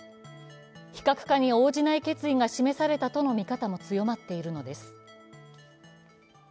非核化に応じない決意が示されたとの見方も強まっているのです。